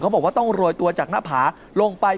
บอกว่าต้องโรยตัวจากหน้าผาลงไป